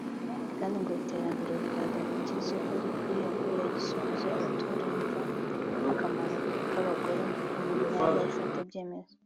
kandi ngo iterambere u Rwanda rugezeho rikwiye kubera igisubizo abatarumva akamaro k’abagore mu myanya ifata ibyemezo